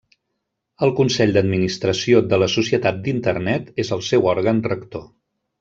El Consell d'Administració de la Societat d'Internet és el seu òrgan rector.